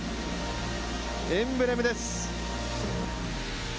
エンブレムです。